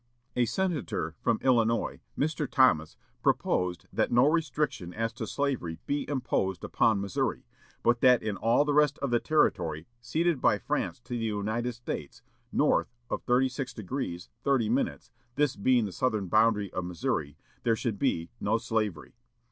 A senator from Illinois, Mr. Thomas, proposed that no restriction as to slavery be imposed upon Missouri, but that in all the rest of the territory ceded by France to the United States, north of 36° 30', this being the southern boundary of Missouri, there should be no slavery.